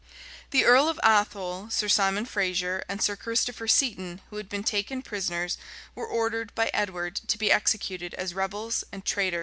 The earl of Athole, Sir Simon Fraser, and Sir Christopher Seton, who had been taken prisoners, were ordered by Edward to be executed as rebels and traitors.